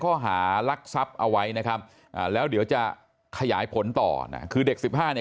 ข้อหารักษัพท์เอาไว้นะครับแล้วเดี๋ยวจะขยายผลต่อคือเด็ก๑๕ปี